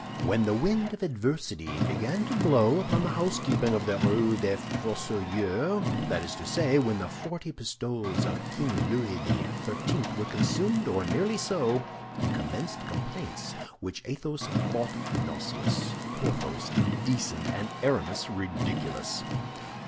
When the wind of adversity began to blow upon the housekeeping of the Rue des Fossoyeurs—that is to say, when the forty pistoles of King Louis XIII. were consumed or nearly so—he commenced complaints which Athos thought nauseous, Porthos indecent, and Aramis ridiculous.